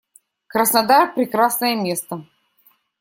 Краснодар - прекрасное место.